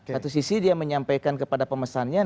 satu sisi dia menyampaikan kepada pemesannya